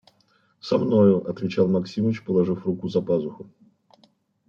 – Со мною, – отвечал Максимыч, положив руку за пазуху.